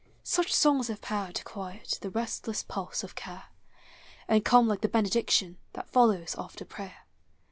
Such songs have power to quiet The restless pulse of can1, And come like the benediction That follows after prayer.